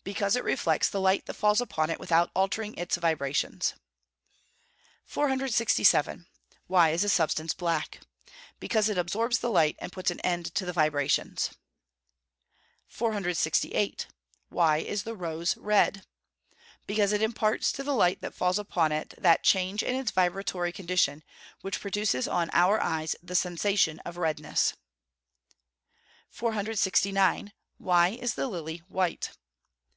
_ Because it reflects the light that falls upon it without altering its vibrations. 467. Why is a substance black? Because it absorbs the light and puts an end to the vibrations. 468. Why is the rose red? Because it imparts to the light that falls upon it that change in its vibratory condition, which produces on our eyes the sensation of redness. 469. _Why is the lily white?